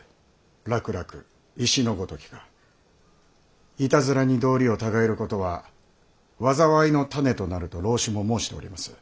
珞珞石いたずらに道理をたがえることは災いの種となると老子も申しております。